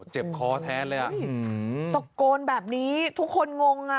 เจ็บคอแทนเลยอ่ะตะโกนแบบนี้ทุกคนงงอ่ะ